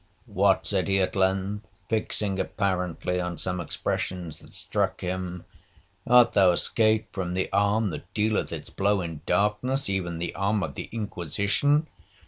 'What!' said he at length, fixing apparently on some expressions that struck him, 'art thou escaped from the arm that dealeth its blow in darkness, even the arm of the Inquisition?